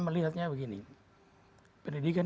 melihatnya begini pendidikan